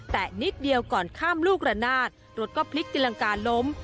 แต่นิดเดียวก่อนข้ามลูกระนาดรถก็พลิกตีลังกาล้ม